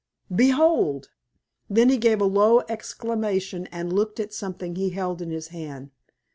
Behold!" Then he gave a low exclamation and looked at something he held in his hand.